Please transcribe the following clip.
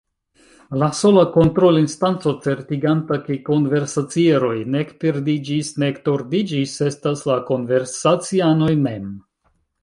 La sola kontrolinstanco certiganta, ke konversacieroj nek perdiĝis nek tordiĝis, estas la konversacianoj mem.